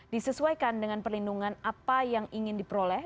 disesuaikan dengan perlindungan apa yang ingin diperoleh